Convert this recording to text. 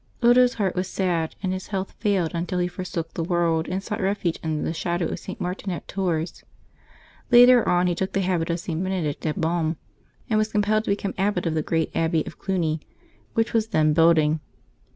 Odo's heart was sad and his health failed, until he forsook the world and sought refuge under the shadow of St. Martin at Tours. Later on he took the habit of St. Benedict at Baume, and was compelled to become abbot of the great abbey of Cluny, w^hich was then building.